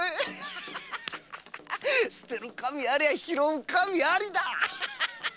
捨てる神あれば拾う神ありだ！